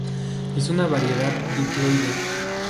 Es una Variedad diploide.